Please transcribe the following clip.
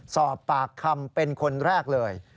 สอบปากคำเป็นคนแรกเลย